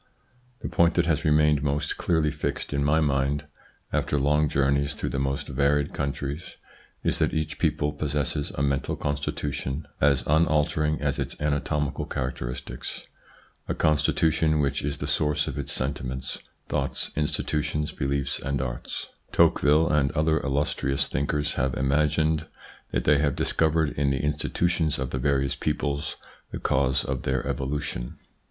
The point that has remained most clearly fixed in my mind, after long journeys through the most varied countries, is that each people possesses a mental constitution as unaltering as its anatomical charac teristics, a constitution which is the source of its sentiments, thoughts, institutions, beliefs and arts. INTRODUCTION xix Tocqueville and other illustrious thinkers have ima gined that they have discovered in the institutions of the various peoples the cause of their evolution.